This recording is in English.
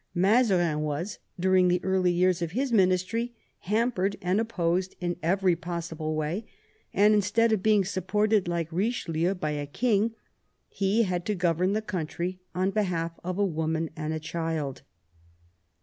i.; 164 MAZARIN chap. Mazariu was, during the early years of his ministry, hampered and opposed in every possible way, and instead of being supported, like Eichelieu, by a king, he had to govern the country on behalf of a woman and a child.